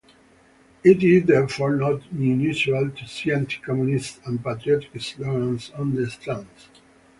It is therefore not unusual to see anticommunist and patriotic slogans on the stands.